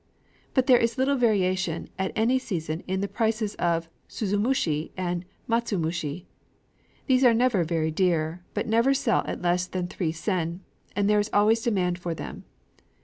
But there is little variation at any season in the prices of suzumushi and of matsumushi. These are never very dear, but never sell at less than three sen; and there is always a demand for them.